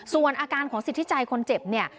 ส่วนอาการของสิทธิใจคนเจ็บเนี่ย